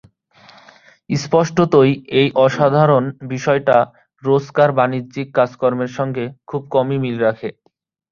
স্পষ্টতই, এই "অসাধারণ" বিষয়টা রোজকার বাণিজ্যিক কাজকর্মের সঙ্গে খুব কমই মিল রাখে।